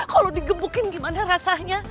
kalau digebukin gimana rasanya